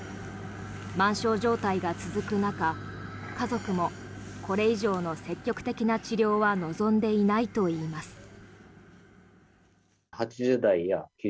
満床状態が続く中家族もこれ以上の積極的な治療は望んでいないといいます。